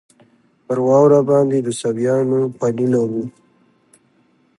پر واوره باندې د سویانو پلونه وو.